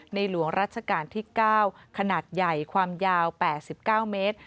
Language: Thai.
หลวงรัชกาลที่๙ขนาดใหญ่ความยาว๘๙เมตร